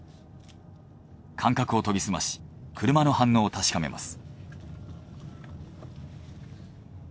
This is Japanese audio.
感覚を研ぎ澄まし車の反応を確かめます。